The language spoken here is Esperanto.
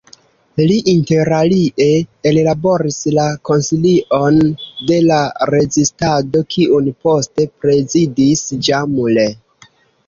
Li interalie ellaboris la "Konsilion de la Rezistado" kiun poste prezidis Jean Moulin.